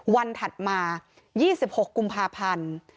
ถัดมา๒๖กุมภาพันธ์